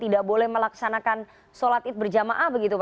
sudah lama jauh sebelumnya masjid al kharam sudah ditutup